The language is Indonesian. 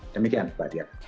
demikian mbak diak